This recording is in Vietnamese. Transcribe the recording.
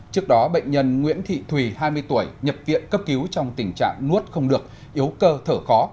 trước đó bệnh nhân nguyễn thị thùy hai mươi tuổi nhập viện cấp cứu trong tình trạng nuốt không được yếu cơ thở khó